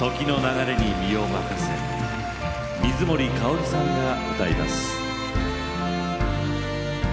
水森かおりさんが歌います。